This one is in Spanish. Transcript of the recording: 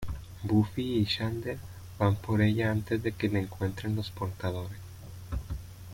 Buffy y Xander van por ella antes que la encuentren los Portadores.